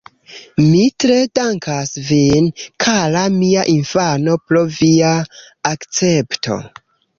Mi tre dankas vin, kara mia infano pro via akcepto.